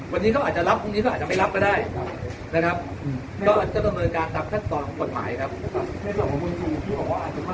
วันนี้เขาอาจจะรับวันนี้เขาก็อาจจะไม่รับก็ได้นะครับ